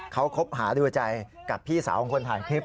เขาคบหาดูใจกับพี่สาวของคนถ่ายคลิป